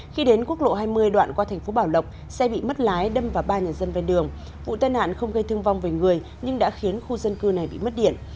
khi đến quốc lộ hai mươi đoạn qua thành phố bảo lộc xe bị mất lái đâm vào ba nhà dân bên đường vụ tai nạn không gây thương vong về người nhưng đã khiến khu dân cư này bị mất điện